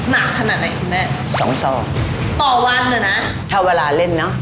หนักขนาดไหนคุณแม่สองซองต่อวันน่ะนะถ้าเวลาเล่นเนอะ